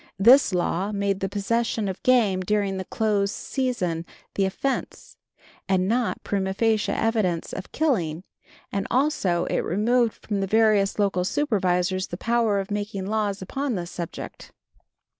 This law made the possession of game during the close season the offense, and not prima facie evidence of killing, and also it removed from the various local supervisors the power of making laws upon this subject.